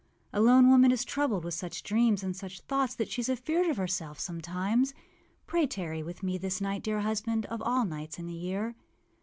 A lone woman is troubled with such dreams and such thoughts that sheâs afeard of herself sometimes. Pray tarry with me this night, dear husband, of all nights in the year.